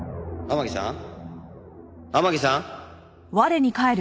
天樹さん？